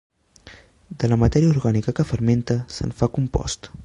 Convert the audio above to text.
De la matèria orgànica que fermenta, se'n fa compost.